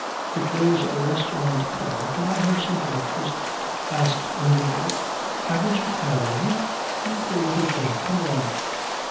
"If there's a restaurant car can I have some breakfast?" asked Ingeborg. "Haven't you had any? You poor little thing. Come along."